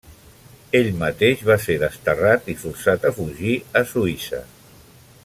Ell mateix va ser desterrat i forçat a fugir a Suïssa.